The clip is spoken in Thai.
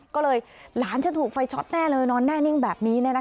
ก็เลยหลานจะถูกไฟช็อคแน่เลยนอนแน่นิ่งแบบนี้